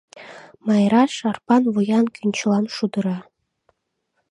Майра, шарпан вуян, кӱнчылам шудыра.